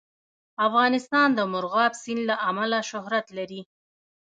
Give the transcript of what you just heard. افغانستان د مورغاب سیند له امله شهرت لري.